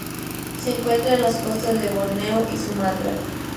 Se encuentran en las costas de Borneo y Sumatra.